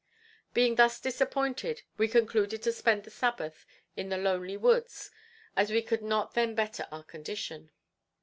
Being thus disappointed, we concluded to spend the Sabbath in the lonely woods, as we could not then better our condition.